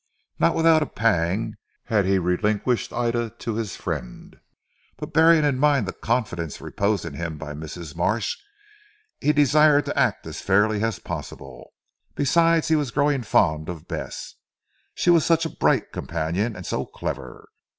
Not without a pang had he relinquished Ida to his friend; but bearing in mind the confidence reposed in him by Mrs. Marsh, he desired to act as fairly as possible. Besides he was growing fond of Bess. She was such a bright companion, and so clever.